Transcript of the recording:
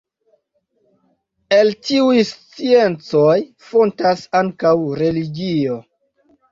El tiuj sciencoj fontas ankaŭ religio.